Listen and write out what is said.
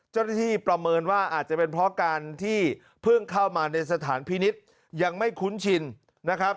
ประเมินว่าอาจจะเป็นเพราะการที่เพิ่งเข้ามาในสถานพินิษฐ์ยังไม่คุ้นชินนะครับ